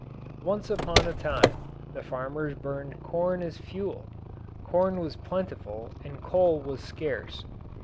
Once upon a time the farmers burned corn as fuel corn was plentiful and coal was scarce.